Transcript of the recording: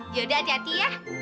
yaudah hati hati ya